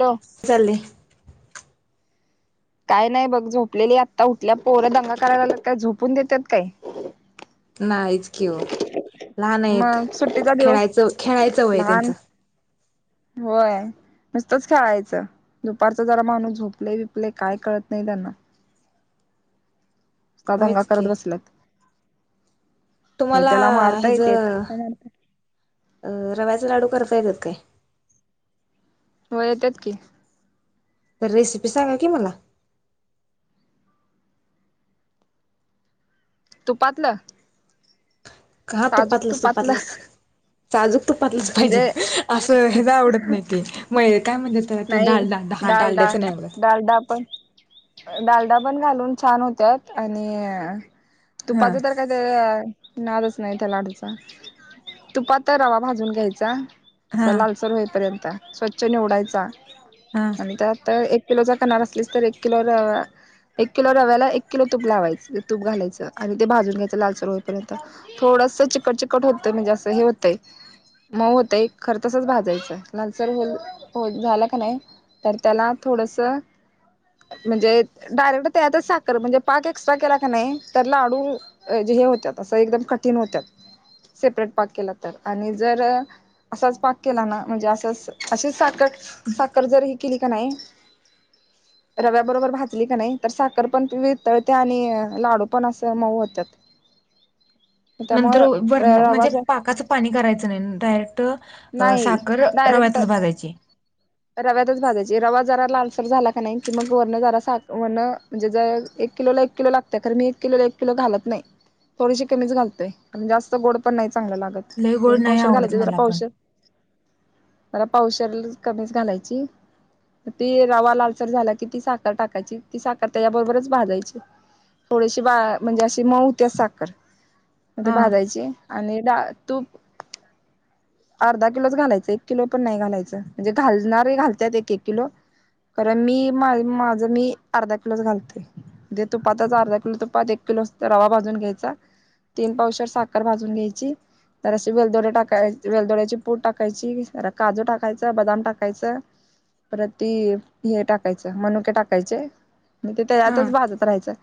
Hello चाले काय नाही बघ झोपलेली आत्ता उठल्या पोर दंगा करायला लागत काय झोपून देत्यात काय [inaudible] नाहीच कि व लहान आहेत मग सुट्टीचा दिवस खेळायचं खेळायचं वय लहान त्यांच होय नुसतंच खेळायचं दुपारच जरा माणूस झोपल बिपलय काय कळत नाही त्यांना? इतका दंगा होयच की करत बसल्यात. हे तुम्हाला त्याला मारता हच अ येतेत रवा्याच लाडू करता येतात काय? हो येतात की तर रेसिपी सांगा की मला? तूपातलं हा, तुपातलच तुपातलच साजूक तुपातलच पाहिजे म्हणजे असं ह आवडत नाही ते म काय म्हणतात त्याला ते नाही डालडा हा डालडा डालड्याचं नाही आवडत. डालडा पण डालडा पण घालून छान होत्यात आणि हा तुपाचं तर काय ते नादच नाही त्याला अडूचा तू पता रवा भाजून घ्यायचा. हा असा लालसर होईपर्यंत स्वच्छ निवडायचा हा आणि त्यात एक किलोचा करणार असलीस तर एक किलो एक किलो रव्याला एक किलो तूप लावायचं तूप घालायचं आणि ते भाजून घ्यायचं लालचर होईपर्य. थोड थस चिकट चिकट होतं म्हणजे असं हे होतं मग होत एक खरं तसच भाजायचं लालसर होईल होईल झाला की नाही तर त्याला थोडस म्हणजे डायरेक्ट त्याच्यात च साखर म्हणजे पाक एक्ट्रा केला का नाही लाडू होत असं एकदम कठीण होत सेपरेट पाक केला तर आणि जर असाच पाक केला ना म्हणजे अस अस सा साखर जर ही केली का नाही [unintelligible] रव्या बरोबर भातली का नाही तर साखर पण व तळते आणि लाडू पण असं मऊ होतात [unintelligible] नंतरर त्यामुळे रवा म्हणजे ज पाकाच पाणी करायचं नाही डायरेक्ट नाही साखर डायरेक्ट त भाघायचे रव्यातच भाजायची रवा जरा लालसर झाला का नाही कि मग वरण जरा सा वण म्हणजे ज एकिोला एक किलो लागतय कारण मी एक किलो एक किलो घालत नाही थोडीशी कमीच घालतेण जास्त गोड पण नाही चांगलं लागत लय गोड पन नाही पावशर आवडत घालायते जरा मला पण पावशर जरा पावशर कमीच घालायची ती रवा लालसर झाला कि ती साखर टाकायची ती साखर त्याच्या बरोबरच भाजायच थोडेशी बा म्हणजे अशी मऊ त्या साखर ते हा भाजायची आणि द तू अर्धा किलोच घालायच एक किलो पण नाही घालायचं म्हणजे घालणारे घालतत एक एक किलो कारण मी मा माझं मी अर्धा किलोच घालते ते तुपातचा अर्धा किलो तुपात एक किलो अस रवा भाजून घ्यायचा तीन पावशात साखर भाजून घ्यायची तर अशी वेलदोडे्या टाकाय वेलदोड्याची पूट टाकायची काजू टाकायची बदाम टाकायचं परती हे टाकायचं मनुके टाकायचे नाही ते त्या हा यातच भाजत राहायचं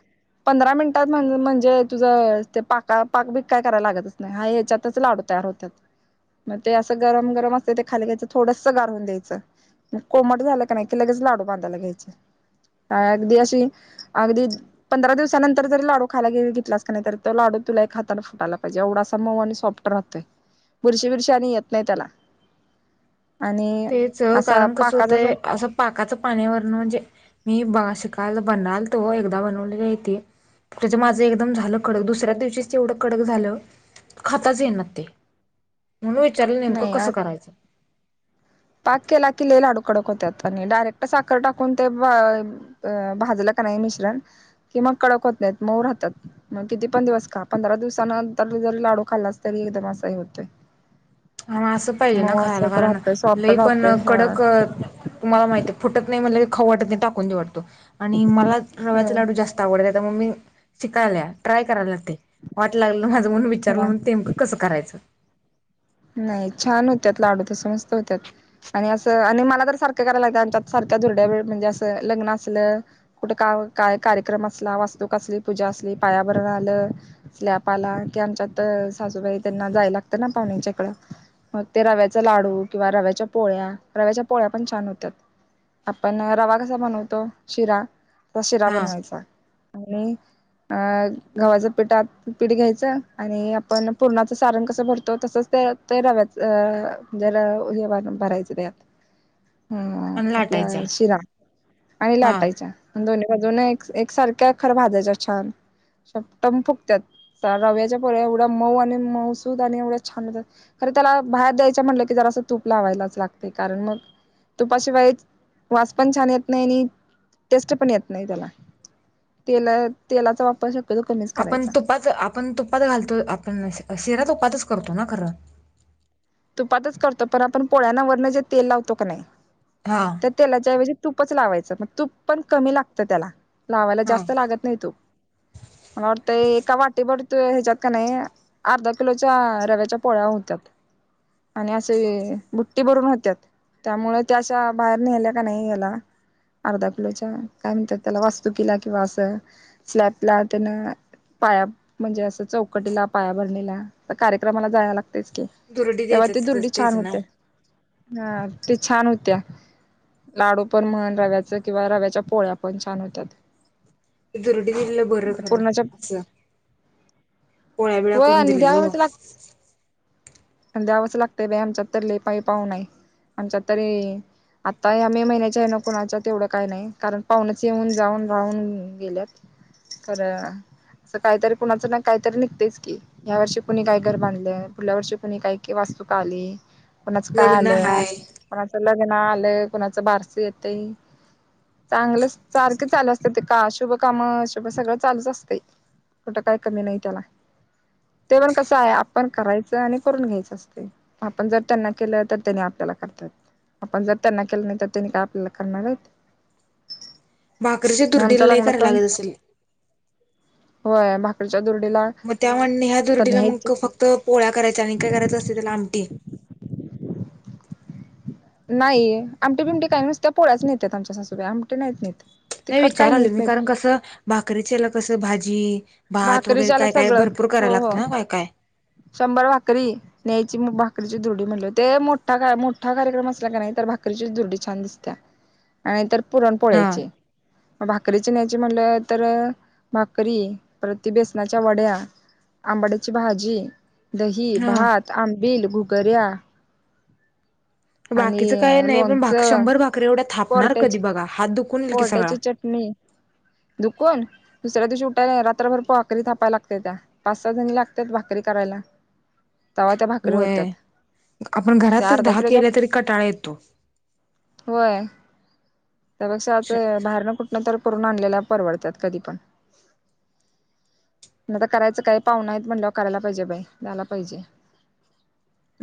पंधरा मिनिटात म्ह म्हणजे तुझं ते पाका पाक बी काय करायला लागतच नाही हा या्याच्यातच लाडतो होतात अस गरम गरम अस खालीय थोडस गारून द्यायचं कोमट झालं का नाही की लगेच लाडू बांधायला घ्यायचे अगदी अशी अगदी पंधरा दिवसानंतर जरी लाडू खायला गे घेतलास का नाही तर तो लाडू तुला एक हातार फुटायला पाहिजे एवढासा म आणि सॉफ्ट राहत बुरशी बिरशी आणि येत नाही त्याला आणि तेच असा कारण कसं पाकाचा जर होतय असं पाकाच पाण्यावरण म्हणजे मी बघा शिकत काल बनल तो एकदा बनवलीतीे त्याचं माझं एकदम झालं कडक दुसऱ्या दिवशीच तेवढं कडक झालं खातच ये ना ते म्हणून विचारल नेमकं नाही कसं करायचं पाक केला की ले लाडू कडक होत आणि डायरेक्ट साखर टाकून ते भाज मिण क मग कडक होत नाही म राहतात किती पण दिवस का पंरा दिवसानंतर जरी लाडू खाल्लास तरी एकदम असाही होतोय हा असं पाहिजे ना मऊ खरायला असंच कारण राहतय सॉफ्ट लई पण राहतय हा कडक तुम्हाला फुटत नाय मनल की खाऊ वाटत नाइ टाकून देऊ वाटतो आणि मला ह रव्याचा लाडू जास्त आवडतेय मी शिकायला ट्राय करायला वाट लागलं माझं म्हणुन हा विचारलं ते नेमक कसं करायचं नाही छान होत्यात लाडू तस मस्त होत्यात आणि असं आणि मला तर सारखं करायला लागत आमत सारख्या धुरड्या वेळ म्हणजे असं लग्न असलं कुठे काम काय कार्यक्रम असला वास्तूकसली पूजा असली पायाभरण आलं स्लॅप आला की आच्यात सासुबाई त्यांना जाय लागतं ना पाहण्यांच्या मग ते रव्याचा लाडू किंवा रव्याच्या पोळ्या रव्याच्या पोळ्या पण छान होत्याात आपण रवा कसा बनवतो शिरा त शिरा हा बनवायचा आणि अ गव्हाच्या पिठात पीठ घ्यायचं आणि आपण पुूरणाचं सारण कसं भरतो तसच ते ते रव्याच अ जला उवाण भरायच त्यात ह आणि आपल्या लाटायच्या शिरा आणि हा लाटायच्या दोन् अजून एक एक सारख्या खरं भाजाच्या छान अस टम फुगत्यात रव्याच्या पोळया एवढ मऊ आणि मऊसूद आणि एवढा छान होत. खरे त्याला बाहेर द्यायच म्हटलं की जरा असं तूप लावायलाच लागते कारण मग तुपा शिवाय वास पण छान येत नाही आणि टेस्ट पण येत नाही त्याला, तेल तेलाचा वापर शक्यतो कमीच आपण करायचा तुपात आपण तुपात घालतो आपण शिरा तुपातच करतो ना खरं तुपातच करतो पण आपण पोळ्यांना वरण जे तेल लावतो का नाही हा त्या तेलाच्या ऐवजी तूपच लावायचं मग तूप पण कमी लागतं त्याला लावायला हा जास्त लागत नाही. तूप मला वाटतय एका वाटीभर ह्याच्यात कणी अर्धा किलोच्या रव्याच्या पोळ्या होत्यात. आणि असे बुट्टी भरून होत्यात. त्यामुळे त्या आशा बाहेर नेल्या का नाही हेला अर्धा किलोच्या काय म्हणतात त्याला वास्तुकीला किंवा असं स्लॅपला तेन पाया म्हणजे असं चौकटीला पायाभरणीला तर कार्यक्रमाला जायला लागतच की, दुरडी तेव्हा द्यायचं ते दुर्डी तेच छान तेच ना होते ह ते छान होत्या. लाडू पण म्हण रव्याच किंवा रव्याच्या पोळ्या पण छान होतात. दुरडी दिलेलं बरं खरं पूर्णाच्या असं. पोळ्याबिळ्या व करून आणि दिलेल. द्यावचं लागतय बाई आमच्यात तर लय पई पाहुण आहेत आमच्यात तरी, आता या मे महिन्याच्या हेना कुणाच्यात तेवढं काय नाही कारण पाहुनच येऊन जाऊन राहून गेल्यात. खरं अस काहीतरी कुणाचं ना काहीतरी निघतयच की या वर्षी कुणी काय घर बांधलेय पुढल्या वर्षी कुणी काय वास्तुक आली कुणाचं काय लग्न आल हाय कुणाच ल ग्न आलं कुणाचं बारस येतय. चांगलं सारखे चालू असते का शुभ काम शुभ सगळं चालूच असतय. कुठं काय कमी नाही त्याला ते पण कसंय आपण करायचं आणि करून घ्यायचं. आपण जर त्यांना केलं तर त्यांनी आपल्याला करतात. आपण जर त्यांना केलं नाही तर त्यांनी काय आपल्याला करणार आहेत. भाकरीच्या दुरडी आमच्या लई काय लग्नात करायला पण लागत असेल. होय भाकरी मग त्या म्हणणे ह्या दुरडीला मग फक्त पोळ्या करायचा आणि काय करायचं? त्याला आमटी नाही आमटे बिमटी काही नुसत्या पोळ्याच नेत्यात आमच्या सासूबाई आमटी नाहीत नेत. नाही तिखट काय विचार आले नेत मी नाहीत कारण कसं भाकरीच्या हेला कसं भाजी भात वगैरे भाकरीच्याला काय काय सगळं भरपूर हो करायला हो लागतं ना काय काय शंभर भाकरी न्यायची भाकरीची दुरडी म्हणल ते मोठा मोठा कार्यक्रम असला का नाही तर भाकरीची दुरडी छान दिसतेय. नाही तर हा पुरणपोळ्याची भाकरी ची न्यायची म्हटलं तर भाकरी परत ती बेसनाच्या वड्या, आंबड्याची भाजी, दही हा भात, आमटी आंबिल घुगर्या बाकीचं काय नाही पण लोणचं शंभर भाकरीे एवढ्या थापणार कधी कोरट्याची बघा हात दुख कोरट्याची चटणी दुकून दुसऱ्या दिवशी उठायला रात्रभर भाकरी थापायला लागतेत्या पाच सहा जणी लागतात भाकरी करायला. तवा त्या भाकरी होय होत्यात आपण त्या घरातच अर्धा दहा किलोच्या केल्या तरी कंटाळा येतो. होय. त्यापेक्षा आ बाहेरन कुठन तर करून आणलेला परवडतात कधी पण आता करायचं काय पाहूण आहेत म्हणल्यावर करायला पाहिजे. बाई जायला पाहिजे.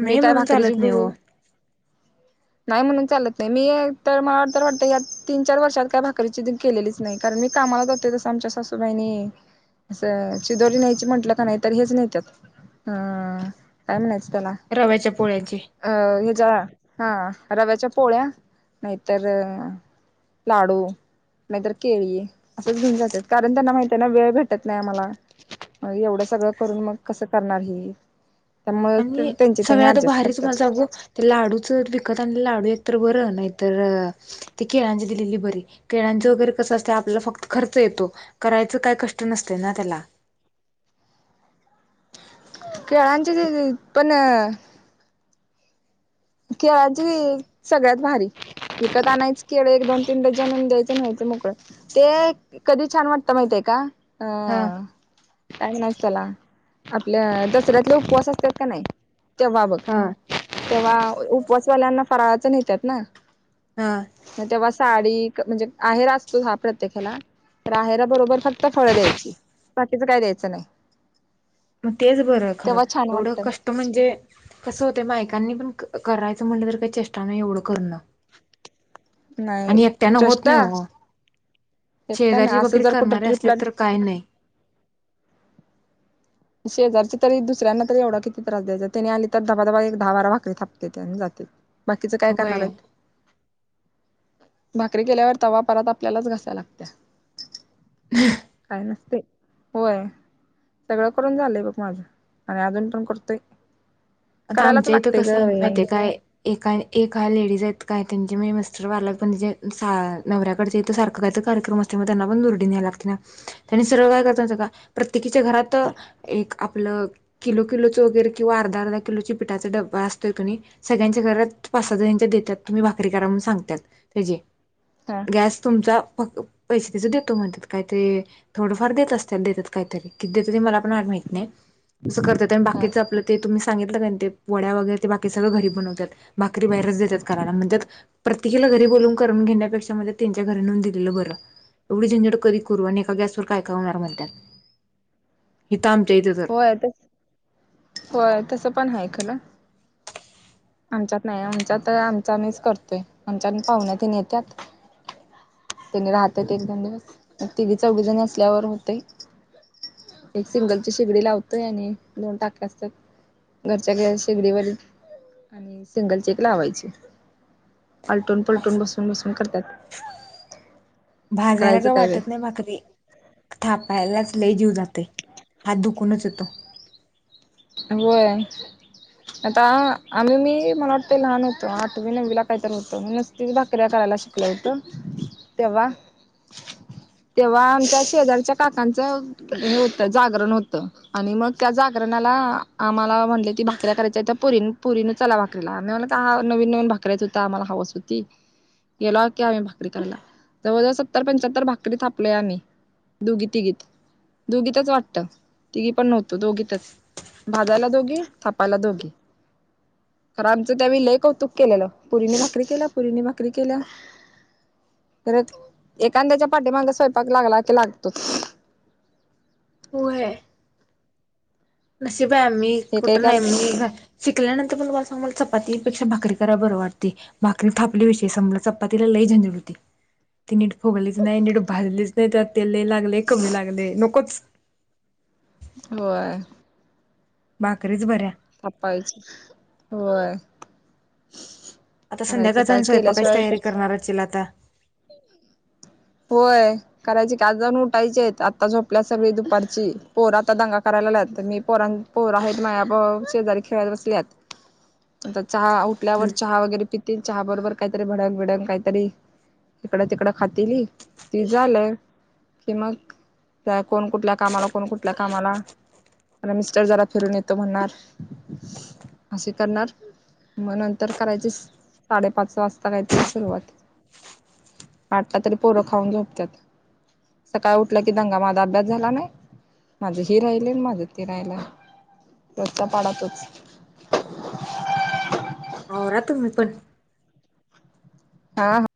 मी नाही काय म्हणून भाकरीची चालत नाही घेवू हो नाही म्हणून चालत नाही मी तर मला अ तरर वाटत यात. तीन चार वर्षात काय भाकरीची केलेलीच नाही कारण मी कामाला जातो तस आमच्या सासूबाईनी असं शिदोरी न्यायची म्हंटलं कने तर हेच नेत्यात काय म्हणायचं ना-अ रव्याच्या पोळ्यांची हेच्या हा रव्याच्या पोळ्या, नाहीतर लाडू नाहीतर केळी. असंच घेऊन जात्यात कारण त्यांना माहित हाय ना वेळ भेटत नाही आम्हाला मग एवढं सगळं करून, मग कसं करणार ही. त्यामुळे आणि त्यांचे त्यांनी सगळ्यात ऍडजस्ट भारीच तुम्हाला करतात सांगू ते लाडूच विकत आण लाडू एकत बर र नाही तर ती केळांची दिलेली बरी. केळांच वगैरे कसं असतंय आपलं फक्त खर्च येतो करायचं काय कष्ट नसतय ना त्याला केळांची देदे पण अ केळाची सगळ्यात भारी. विकत आणायच केळ एक दोन-तीन डजन अन द्यायच न व्हायचं मोकळं ते कधी छान वाटतं माहितीय का-अ हा काम नसत्याला आपल्या दसऱ्यातले उपवास असत्यात काने तेव्हा बघ. हा तेव्हा उपवासवाल्यांना फराळाचं नेतात ना हा मग तेव्हा साडी क म्हणजे आहेर असतोच हा प्रत्येक हेला राहेरा बरोबर फक्त फळं द्यायची. बाकीचं काय द्यायचं नाही. मग तेच बरं खरं. तेव्हा छान एवढं वाटत कष्ट म्हणजे कसं होतंय, मायकांनी पण करायचं म्हणलं तर काय चेष्टा नाही, एवढं करणं नाही आणि एक ट्यानं होत नाही चेष्टा ओ एकट्या ना शेजारची असं बकरी जर कुठं करणारे असले ट्रिपला तर काय नइ शेजारची तरी दुसऱ्यांना तरी एवढा किती त्रास द्यायचा, त्यानी आली तर धबा-धबा एक दहा-बारा भाकरी थापतेता आणि जातेत. बाकीच काय करणार होय आहेत? भाकरी केल्यावर तवा, परात आपल्यालाच घासाय लागतंय. काय नसतय, होय सगळं करून झालंय बघ माझं, आणि अजून पण करतोय. आता करायलाच आमच्या इथं लागतय ग कसं माहित बाई. हाय काय ए-एका लेडीज आहेत काय ते हे मी मिस्टर वाल्यापण जे सा नवऱ्याकडचे ते सारखं काहीतरी कार्यक्रम असते, मग त्यांना पण दुर्डी न्यायाला लागते ना! त्यांनी सरळ काय करतात माहित हाय का प्रत्येकीच्या घरात एक आपलं किलो किलोचं वगैरे किंवा अर्धा-अर्धा किलो चं पिठाचं डब्ब असतोय कने, सगळ्यांच्या घरात पाच-सहा जनींच्यात देतात. तुम्ही भाकरी करा म्हणून सांगत्यात त्यजी. हा गॅस तुमचा फक्त पैसे त्यजं देतो म्हणत्यात, काय ते थोडंफार देत असतील, देत्यात काहीतरी किती देतात मला पण काय माहित नाही. तसं करतात आणि हा बाकीचं आपलं ते स सांगितलं काणी ते वड्या वगैरे बाकी सगळ्य घरी बनवितात, भाकरी बाहेरच देतात. घरी बोलून करून घेण्यापेक्षा म त्यांच्या घरी नेऊन दिलेलं बरं एवढी झंझड कधी करू आणि एका गॅसवर काय काय होणार मणत्यात होय. त-होय तसं पण हाय खरं आमच्यात नाही आमच्यात आमचं आम्हीच करतोय, आमच्या पाहुण्या तेन येत्यात त्यनी राहत्यात एक दोन-दिवस मग तिघी-चौघी जण असल्यावर हुतय. एक सिंगलची शिगडी लावतोय आणि दोन टाक्या घरच्या गँ शेगडीवर आणि सिंगल चेक लावायचे. आलटून-पलटून बसून-बसून कर [unintelligible] भाजायला काय वाटत नाही भाकरी. थाप पहिलाच लय जीव जातंय, हात दुखूनच येतो. होय. आता आम्ही मी मला वाटतय लहान होतो. आठवी- नववी ला काय तर हुतो. मी नसती भाकऱ्या कराय शिकलं हुतं तेव्हा तेव्हा आमच्या शेजारच्या काकांच हे हुतं, जागरण हुतं आणि मग त्या जागरणा आमला म्हंटलं ती भाकऱ्या करायच्यातं पुरी-पोरींनो चला भाकरीला. मी म्हणलं का, हा नवीन नवीन भाकऱ्या तं आम्हाला हाऊस हुती. गेलो की आम्ही भाकरी करायला जवळजवळ सत्तर पंच्याहत्तर भाकरी थपलोय आम्ही दोघी तिघीत दोघीतच वाटत तिघी पण नव्हतो दोघीतच भाजायला दोघी थापायला दोघी खर आमचं त्यावे लय कौतुक केलेलं पोरींनी भाकरी केल्या पोरींनी भाकरी केल्या तरर एखाद्याच्या पाठीमागा स्वयंपाक लागला की लागतो. होय नशीब मी कुठं नाही मी एकेकाला शिकले ना पण मला सांग चपातीपेक्षा भाकरी कराय बरं वाटते भाकरी थापली विषयी सांला चपातीला लई झंजड होती ती नीट फुगलीच नाही नीट भाजलीच नाही तर तेल लागले कमी लागले नकोच [unintelligible] व्हय. भाकरीच बऱ्या थापायच व्हय. आता संध्याकाळ आणि स्वयंपाकायची तयारी करणार असशील आता होय करायची की आज जाऊन उठायचे आहेत आत्ता झोपल्या सगळी दुपारची पोर आता दंगा करायला लाग मी पोर पोर आहेत माझ्या शेजारी खेळत बसल्यात चहा उठल्यावर चहा वगैरे प तीन चहा बरोबर काहीतरी भडंग बिडंग काहीतरी इकडं तिकडं खातेली ति झालं कि मग त्या कोण कुठल्या कामाला, कोण कुठल्या कामाला, मला मिस्टर जरा फिरून येतो म्हणणार असे करणार. मग नंतर करायची साडेपाच वाजता काहीतरी सुरुवात. आठता तरी पोरं खाऊन झोपत्यात. सकाळ उठला कि दंगा माझा अभ्यास झाला नाही. माझं ही राहिले माझं ते राहिला रोजचा पाडा तोच आवरा तुम्ही पण. हा, हा,